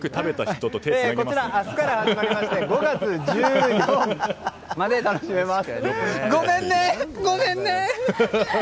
こちら、明日から始まりまして５月１４日まで楽しめます。